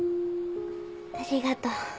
ありがとう。